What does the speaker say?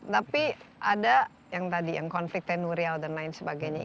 tapi ada yang tadi yang konflik tenurial dan lain sebagainya